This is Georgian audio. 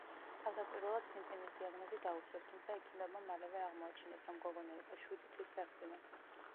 თავდაპირველად, სიმსივნის დიაგნოზი დაუსვეს, თუმცა ექიმებმა მალევე აღმოაჩინეს, რომ გოგონა იყო შვიდი თვის ფეხმძიმე.